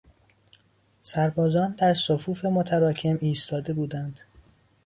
سربازان در صفوف متراکم ایستاده بودند.